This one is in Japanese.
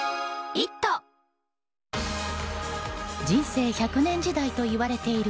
人生１００年時代といわれている